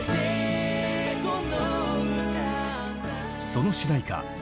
その主題歌